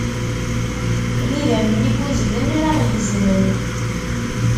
D idammen i yuzzlen ara ɣ-yezzmen.